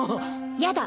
やだ！